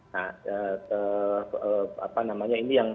nah apa namanya ini yang